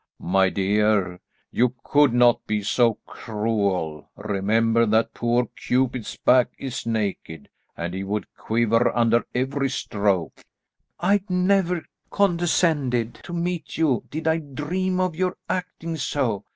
"My dear, you could not be so cruel. Remember that poor Cupid's back is naked, and he would quiver under every stroke." "I'd never have condescended to meet you, did I dream of your acting so.